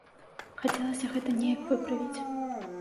Хацелася гэта неяк выправіць.